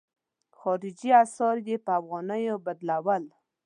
خارجي اسعار یې په افغانیو بدلول.